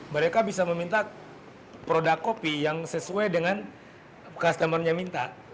mereka bisa meminta produk kopi yang sesuai dengan customer nya minta